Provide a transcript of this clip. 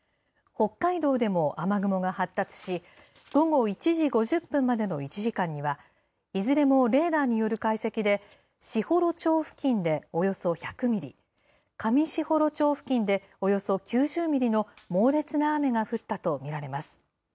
北海道でも雨雲が発達し、午後１時５０分までの１時間には、いずれもレーダーによる解析で、士幌町付近でおよそ１００ミリ、上士幌町付近でおよそ９０ミリの猛烈な雨が降ったと見られます。